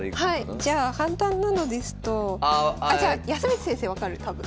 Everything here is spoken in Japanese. じゃあ簡単なのですとあじゃあ康光先生分かる多分。